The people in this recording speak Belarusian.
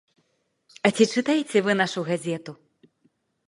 А ці чытаеце вы нашу газету?